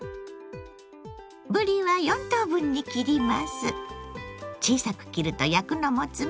ぶりは４等分に切ります。